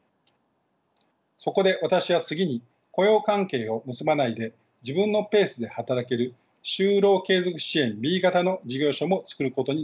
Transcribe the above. そこで私は次に雇用関係を結ばないで自分のペースで働ける就労継続支援Ｂ型の事業所も作ることにしました。